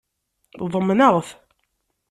Ḍemneɣ-t.